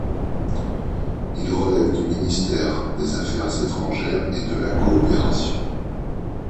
Il relève du ministère des Affaires étrangères et de la Coopération.